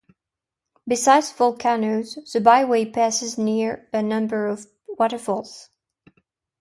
Besides volcanoes, the byway passes near a number of waterfalls.